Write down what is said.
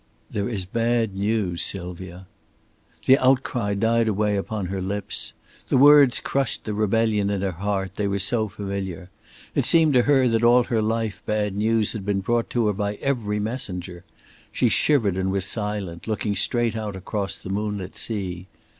"There is bad news, Sylvia." The outcry died away upon her lips. The words crushed the rebellion in her heart, they were so familiar. It seemed to her that all her life bad news had been brought to her by every messenger. She shivered and was silent, looking straight out across the moonlit sea.